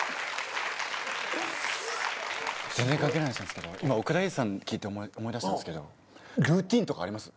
全然関係ない話なんすけど今奥田瑛二さん聞いて思い出したんすけどルーティンとかあります？